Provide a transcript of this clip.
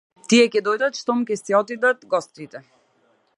Тие ќе дојдат штом ќе си отидат гостите.